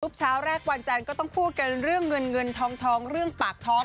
เช้าแรกวันจันทร์ก็ต้องพูดกันเรื่องเงินเงินทองเรื่องปากท้อง